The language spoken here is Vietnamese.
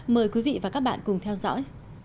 mời quý vị và các bạn cùng theo dõi